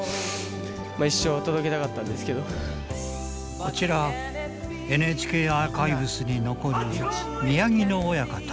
こちらＮＨＫアーカイブスに残る宮城野親方。